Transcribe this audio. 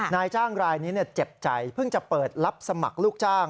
นายจ้างรายนี้เจ็บใจเพิ่งจะเปิดรับสมัครลูกจ้าง